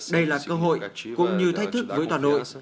đây là cơ hội cũng như thách thức với toàn đội